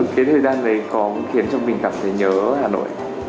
cái thời gian đấy có khiến cho mình cảm thấy nhớ hà nội